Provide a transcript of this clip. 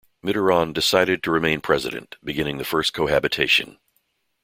Mitterrand decided to remain president, beginning the first cohabitation.